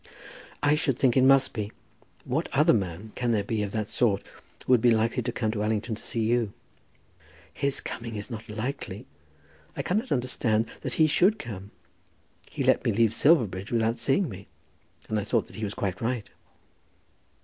"I should think it must be. What other man can there be, of that sort, who would be likely to come to Allington to see you?" "His coming is not likely. I cannot understand that he should come. He let me leave Silverbridge without seeing me, and I thought that he was quite right."